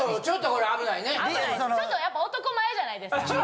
ちょっとやっぱ男前じゃないですか。